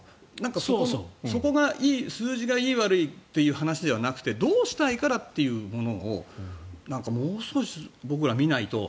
そこが数字がいい悪いという話ではなくてどうしたいからというものをもう少し僕ら見ないと。